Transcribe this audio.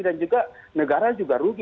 dan juga negara juga rugi